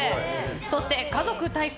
そして、家族対抗！